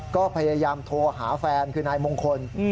ก็พยายามโทรหาแฟนคือนายมงคล